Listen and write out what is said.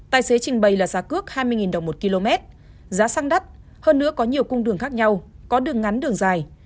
tài xế trình bày là giá cước hai mươi đồng một km giá xăng đắt hơn nữa có nhiều cung đường khác nhau có đường ngắn đường dài